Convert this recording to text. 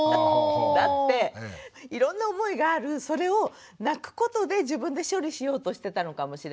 だっていろんな思いがあるそれを泣くことで自分で処理しようとしてたのかもしれない。